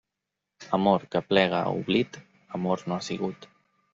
Amor que aplega a oblit, amor no ha sigut.